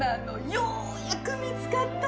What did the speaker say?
ようやく見つかったの。